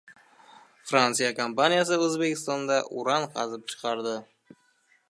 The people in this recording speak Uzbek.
Fransiya kompaniyasi O‘zbekistonda uran qazib chiqaradi